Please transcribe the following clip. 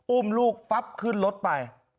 อุ้มลูกฟับขึ้นรถไป